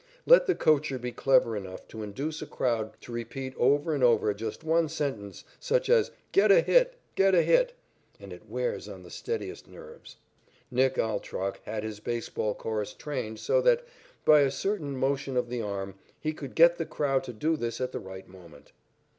Let the coacher be clever enough to induce a crowd to repeat over and over just one sentence such as "Get a hit," "Get a hit," and it wears on the steadiest nerves. Nick Altrock had his baseball chorus trained so that, by a certain motion of the arm, he could get the crowd to do this at the right moment.